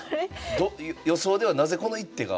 予想ではなぜこの一手が。